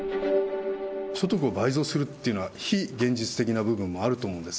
所得を倍増するっていうのは、非現実的な部分もあると思うんです。